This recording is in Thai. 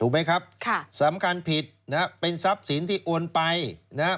ไหมครับค่ะสำคัญผิดนะฮะเป็นทรัพย์สินที่โอนไปนะครับ